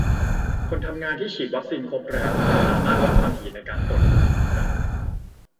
คนทำงานที่ฉีดวัคซีนครบแล้ว จะสามารถลดความถี่ในการตรวจโควิดลงได้